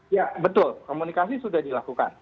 ya betul komunikasi sudah dilakukan